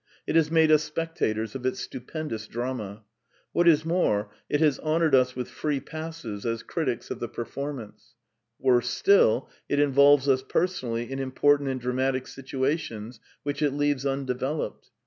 It has made us spectators of its stupendous drama ; what is more, it has honoured us with free passes as critics of the performance ; worse still, it in volves us personally in important and dramatic situations, which it leaves undeveloped.